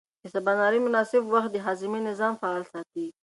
د سباناري مناسب وخت د هاضمې نظام فعال ساتي.